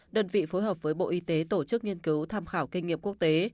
đơn vị phối hợp với bộ y tế tổ chức nghiên cứu tham khảo kinh nghiệm quốc tế